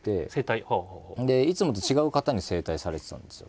でいつもと違う方に整体されてたんですよ。